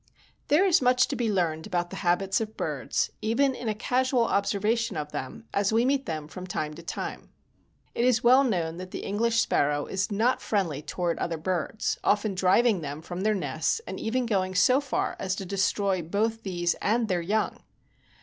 There is much to be learned about the habits of birds, even in a casual observation of them as we meet them from time to time. It is well known that the English sparrow is not friendly toward other birds, often driving them from their nests and even going so far as to destroy both these and their young.